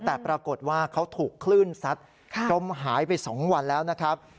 แต่ปรากฏว่าเขาถูกคลื่นซัดจมหายไป๒วันแล้วนะครับ